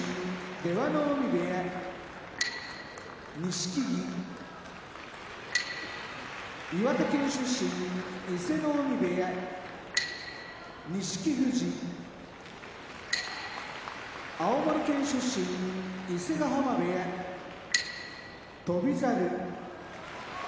出羽海部屋錦木岩手県出身伊勢ノ海部屋錦富士青森県出身伊勢ヶ濱部屋翔猿